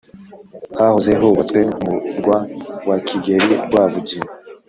hahoze hubatswe umurwa wa kigeri rwabugili